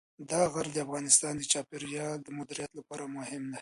دا غر د افغانستان د چاپیریال د مدیریت لپاره مهم دی.